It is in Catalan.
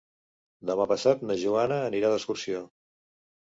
Demà passat na Joana anirà d'excursió.